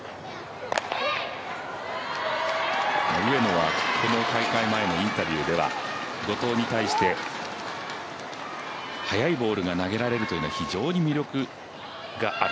上野はこの大会前のインタビューでは後藤に対して、速いボールが投げられるというのは非常に魅力がある。